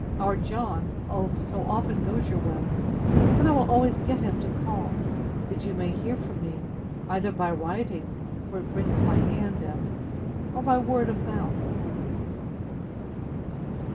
Our John so often goes your way, that I will always get him to call, that you may hear from me, either by writing, (for it brings my hand in,) or by word of mouth.